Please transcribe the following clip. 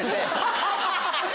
ハハハハ！